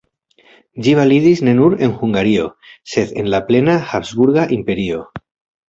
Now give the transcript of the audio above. Ĝi validis ne nur en Hungario, sed en la plena Habsburga Imperio.